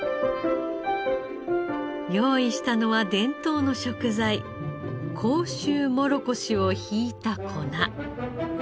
用意したのは伝統の食材甲州もろこしをひいた粉。